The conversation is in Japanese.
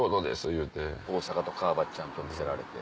いうて大阪と川畑ちゃんと見せられて。